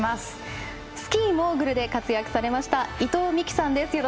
スキーモーグルで活躍されました伊藤みきさんです。